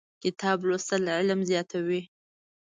کتاب لوستل علم زیاتوي.